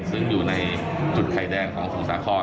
ซึ่งอยู่ในจุดไข่แดงของสมุทรสาคร